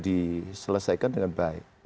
diselesaikan dengan baik